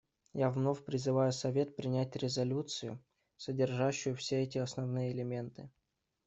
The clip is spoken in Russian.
Я вновь призываю Совет принять резолюцию, содержащую все эти основные элементы.